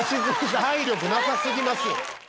体力なさすぎますよ。